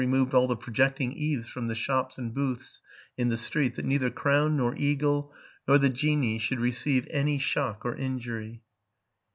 159 moved all the projecting eaves from the shops and booths in the street, that neither crown nor eagle nor the genii should receive any shock or injury.